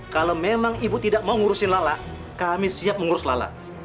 kalau memang ibu tidak mau ngurusin lala kami siap mengurus lala